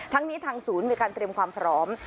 ทั้งนี้ทางศูนย์มีการเตรียมความพร้อม